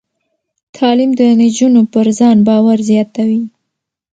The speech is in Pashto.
تعلیم د نجونو پر ځان باور زیاتوي.